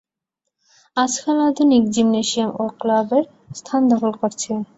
আজকাল আধুনিক জিমনেশিয়াম ও ক্লাব এর স্থান দখল করছে।